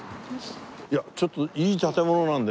いやちょっといい建物なんでね